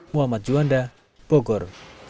muhammad juanda bogor